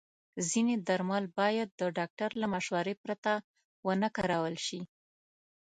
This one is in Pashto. ځینې درمل باید د ډاکټر له مشورې پرته ونه کارول شي.